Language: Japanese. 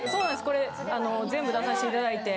これ全部出させて頂いて。